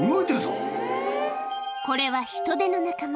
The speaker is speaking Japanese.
これはヒトデの仲間